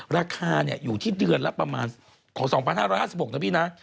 ราคาอยู่ที่เดือนละประมาณของ๒๕๕๖นะพี่นะ